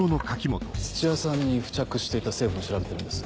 土屋さんに付着していた成分を調べてるんです。